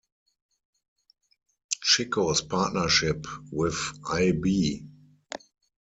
Chicco's partnership with Ai.Bi.